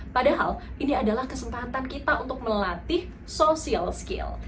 padahal ini adalah kesempatan kita untuk melatih social skill